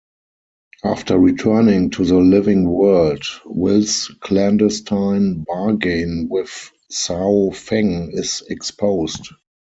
After returning to the living world, Will's clandestine bargain with Sao Feng is exposed.